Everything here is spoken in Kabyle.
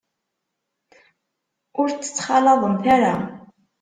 Ur tt-ttxalaḍemt ara.